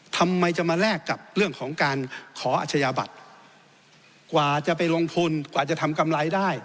ทำไมจะมาแลกกับเรื่องของการขออาชญาบัตรกว่าจะไปลงทุนกว่าจะทำกำไรได้